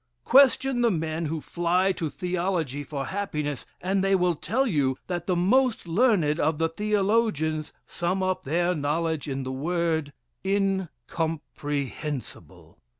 Question the men who fly to theology for happiness, and they will tell you that the most learned of the theologians sum up their knowledge in the word "incomprehensible."